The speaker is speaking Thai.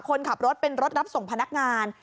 คนขับรถเป็นรถรับส่งพนักงาน